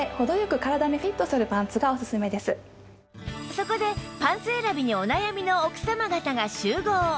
そこでパンツ選びにお悩みの奥様方が集合